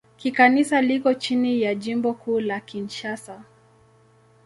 Kikanisa liko chini ya Jimbo Kuu la Kinshasa.